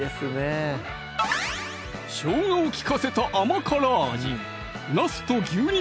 しょうがを利かせた甘辛味